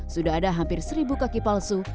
sudah ada hampir seribu kaki palsu